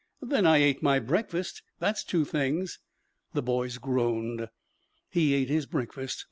"Then I ate my breakfast. That's two things." The boys groaned. "He ate his breakfast.